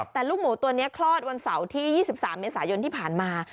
แต่ลูกหมูตัวนี้คลอดวันเสาร์ที่๒๓เมษายนที่ผ่านมา